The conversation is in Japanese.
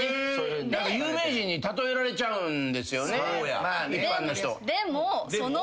有名人に例えられちゃうんですよね。